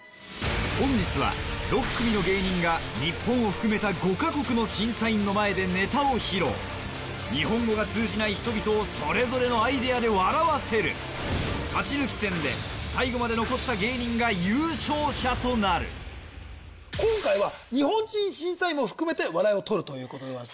本日は６組の芸人が日本を含めた５か国の審査員の前でネタを披露日本語が通じない人々をそれぞれのアイデアで笑わせる最後まで残った芸人が優勝者となる今回は日本人審査員も含めて笑いをとるということで。